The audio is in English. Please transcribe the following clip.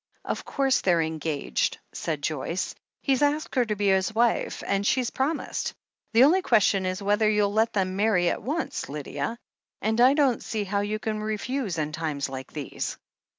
"Of course they're engaged," said Joyce. "He's asked her to be his wife, and she's promised. The only question is whether you'll let them marry at once, Lydia. And I don't see how you can refuse in times like these."